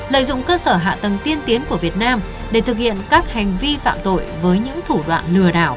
lợi dụng cơ sở hạ tầng tiên tiến của việt nam để thực hiện các hành vi phạm tội với những thủ đoạn lừa đảo